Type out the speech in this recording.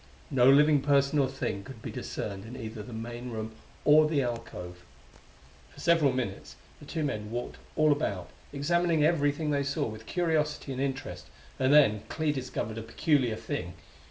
No living person or thing could be discerned in either the main room or the alcove. For several minutes the two men walked all about, examining everything they saw with curiosity and interest; and then Clee discovered a peculiar thing.